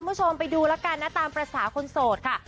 คุณผู้ชมไปดูแล้วกันนะตามภาษาคนโสดค่ะ